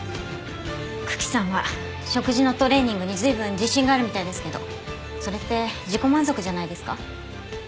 九鬼さんは食事のトレーニングに随分自信があるみたいですけどそれって自己満足じゃないですか？